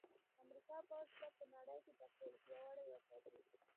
د امریکا پوځ به په نړۍ کې تر ټولو پیاوړی وساتي